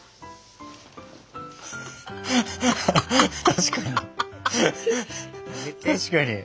確かに。